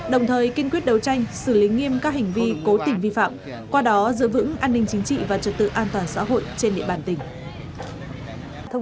đồng thời kiên quyết đấu tranh xử lý nghiêm các hành vi cố tình vi phạm qua đó giữ vững an ninh chính trị và trật tự an toàn xã hội trên địa bàn tỉnh